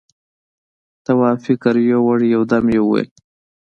تواب فکر يووړ، يو دم يې وويل: